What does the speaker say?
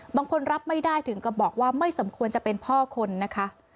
บางคนรับไม่ได้ถึงกับบอกว่าไม่สมควรจะเป็นพ่อคนนะคะ